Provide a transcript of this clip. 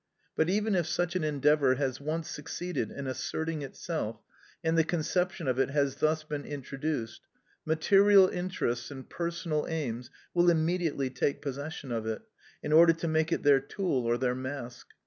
But even if such an endeavour has once succeeded in asserting itself, and the conception of it has thus been introduced, material interests and personal aims will immediately take possession of it, in order to make it their tool or their mask.